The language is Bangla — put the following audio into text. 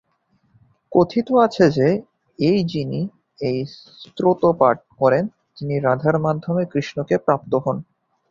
কথিত আছে যে, এই যিনি এই স্তোত্র পাঠ করেন, তিনি রাধার মাধ্যমে কৃষ্ণকে প্রাপ্ত হন।